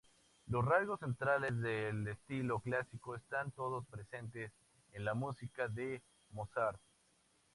Los rasgos centrales del estilo clásico están todos presentes en la música de Mozart.